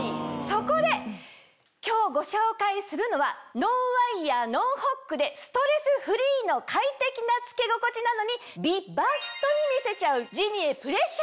そこで今日ご紹介するのはノンワイヤーノンホックでストレスフリーの快適な着け心地なのに美バストに見せちゃう。